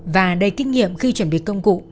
và đầy kinh nghiệm khi chuẩn bị công cụ